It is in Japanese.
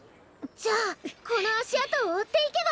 じゃあこのあしあとをおっていけば！